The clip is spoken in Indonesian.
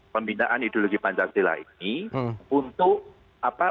pembinaan ideologi pancasila ini untuk apa